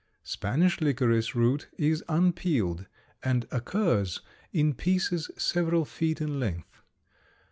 Spanish licorice root is unpeeled and occurs in pieces several feet in length.